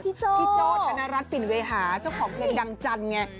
พี่โจ้ธนรัฐสินเวหาเจ้าของเพลงดังจันทร์ไง